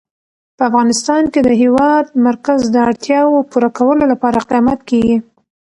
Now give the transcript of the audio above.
په افغانستان کې د د هېواد مرکز د اړتیاوو پوره کولو لپاره اقدامات کېږي.